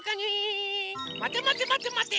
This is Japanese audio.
まてまてまてまて。